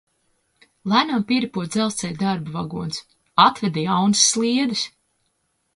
Lēnām pieripo dzelzceļa darba vagons. Atveda jaunas sliedes!